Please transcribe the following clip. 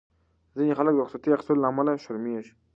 ځینې خلک د رخصتۍ اخیستو له امله شرمېږي.